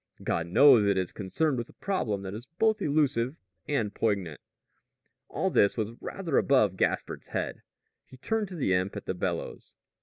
God knows it is concerned with a problem that is both elusive and poignant." All this was rather above Gaspard's head. He turned to the imp at the bellows.